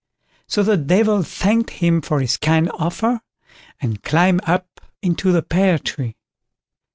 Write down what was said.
So the Devil thanked him for his kind offer, and climbed up into the pear tree.